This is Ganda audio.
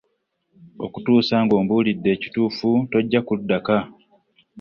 Okutuusa ng'ombuulidde ekituufu tojja kudda ka.